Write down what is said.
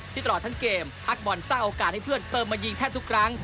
ตลอดทั้งเกมพักบอลสร้างโอกาสให้เพื่อนเติมมายิงแทบทุกครั้ง